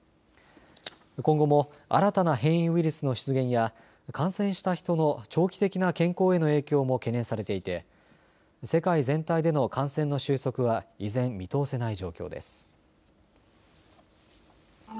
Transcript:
今後も新たな変異ウイルスの出現や感染した人の長期的な健康への影響も懸念されていて世界全体での感染の収束は依然、見通せない状況です。